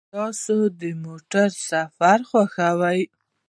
تاسو د موټر سفر خوښوئ؟